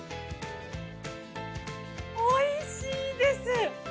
おいしいです。